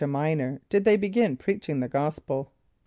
a] M[=i]´nor did they begin preaching the gospel?